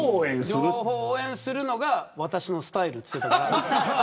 両方を応援するのが私のスタイルと言ってました。